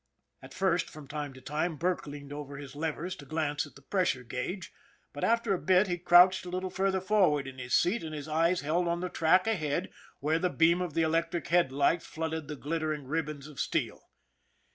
At first, from time to time, Burke leaned over his levers to glance at the pressure gauge, but after a bit he crouched a little further forward in his seat and his eyes held on the track ahead where the beam of the electric headlight flooded the glittering ribbons of steel.